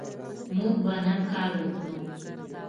موږ به نن کار وکړو